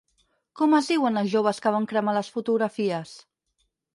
Com es diuen els joves que van cremar les fotografies?